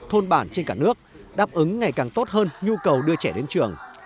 thôn bản trên cả nước đáp ứng ngày càng tốt hơn nhu cầu đưa trẻ đến trường